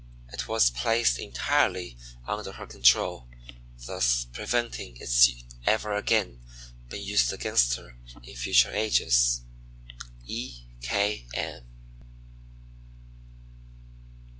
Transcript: It was placed entirely under her control, thus preventing its ever again being used against her in future ages. _E. K. M.